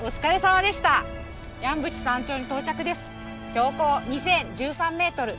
標高２，０１３ｍ。